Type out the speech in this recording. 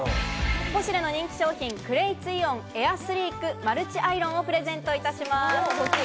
ポシュレの人気商品「クレイツイオンエアスリークマルチアイロン」をプレゼントいたします。